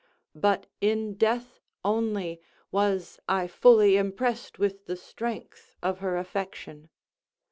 But in death only, was I fully impressed with the strength of her affection.